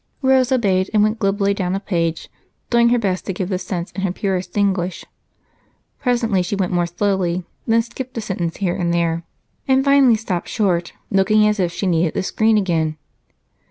Rose obeyed and went glibly down a page, doing her best to give the sense in her purest English. Presently she went more slowly, then skipped a sentence here and there, and finally stopped short, looking as if she needed a screen again.